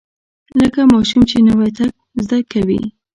لکه ماشوم چې نوى تګ زده کوي.